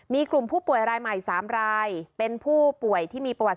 มีกลุ่มผู้ป่วยรายใหม่๓รายเป็นผู้ป่วยที่มีประวัติ